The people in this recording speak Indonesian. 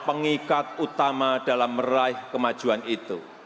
pengikat utama dalam meraih kemajuan itu